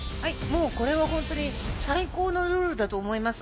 もうこれはホントに最高のルールだと思います。